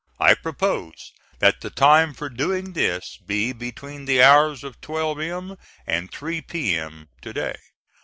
I propose that the time for doing this be between the hours of 12 M. and 3 P.M. to day.